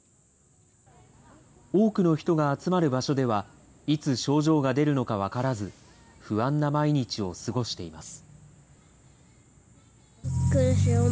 多くの人が集まる場所では、いつ症状が出るのか分からず、不安な毎日を過ごしています。